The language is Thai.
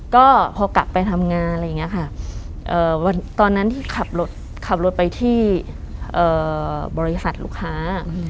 ก็พอกลับไปทำงานอะไรอย่างนี้ค่ะตอนนั้นที่ขับรถขับรถไปที่บริษัทลูกค้า